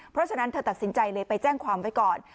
เพราะฉะนั้นเธอตัดสินใจเลยไปแจ้งความไว้ก่อน